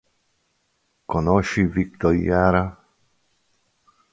Conosci Victor Jara?